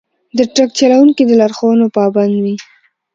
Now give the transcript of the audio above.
د ټرک چلونکي د لارښوونو پابند وي.